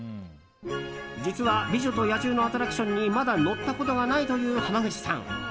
実は美女と野獣のアトラクションにまだ乗ったことがないという濱口さん。